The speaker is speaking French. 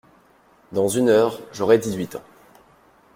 Dans une heure, j’aurais dix-huit ans.